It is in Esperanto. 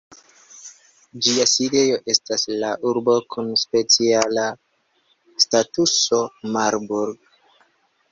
Ĝia sidejo estas la urbo kun speciala statuso Marburg.